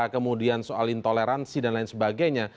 kemudian soal intoleransi dan lain sebagainya